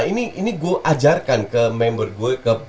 ini saya ajarkan ke member saya